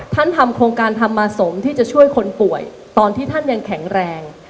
ทำโครงการธรรมสมที่จะช่วยคนป่วยตอนที่ท่านยังแข็งแรง